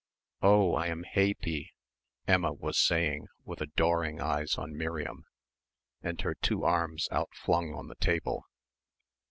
"Oh, I am haypie," Emma was saying, with adoring eyes on Miriam and her two arms outflung on the table.